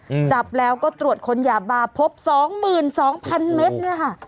อืมจับแล้วก็ตรวจคนยาบาพบสองหมื่นสองพันเมตรเนี้ยค่ะ